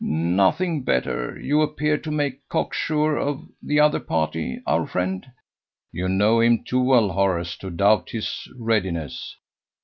"Nothing better. You appear to make cock sure of the other party our friend?" "You know him too well, Horace, to doubt his readiness."